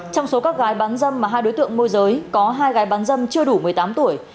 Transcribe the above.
trong số các gái bán dâm mà hai đối tượng môi giới có hai gái bán dâm chưa đủ một mươi tám tuổi